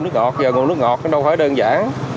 nước ngọt và nguồn nước ngọt đâu phải đơn giản